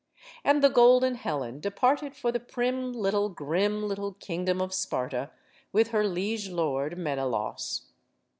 And the golden Helen departed for the prim little, grim little kingdom of Sparta with her liege lord, Menelaus.